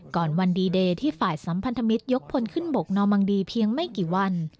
ก่อนวันดีเดย์ที่ฝ่ายสัมพันธมิตรยกพลขึ้นบกนอมังดีเพียงไม่กี่วัน